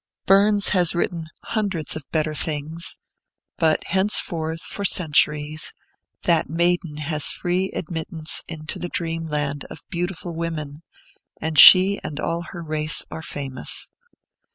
Burns has written hundreds of better things; but henceforth, for centuries, that maiden has free admittance into the dream land of Beautiful Women, and she and all her race are famous.